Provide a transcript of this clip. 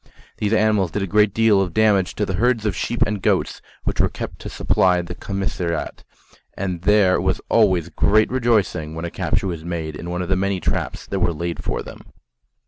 These animals did a great deal of damage to the herds of sheep and goats which were kept to supply the commissariat, and there was always great rejoicing when a capture was made in one of the many traps that were laid for them.